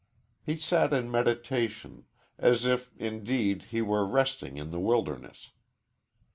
"_He sat in meditation as if, indeed, he were resting in the wilderness.